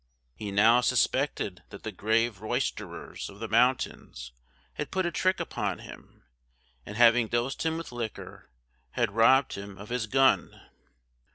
He now suspected that the grave roysterers of the mountains had put a trick upon him, and, having dosed him with liquor, had robbed him of his gun.